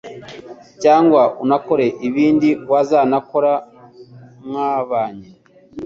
cyangwa unakore ibindi wazanakora mwabanye.